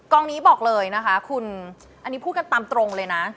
องนี้บอกเลยนะคะคุณอันนี้พูดกันตามตรงเลยนะ